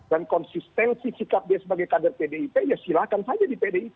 dan konsistensi sikap dia sebagai kader pdip ya silahkan saja di pdip